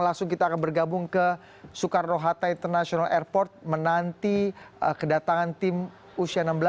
langsung kita akan bergabung ke soekarno hatta international airport menanti kedatangan tim usia enam belas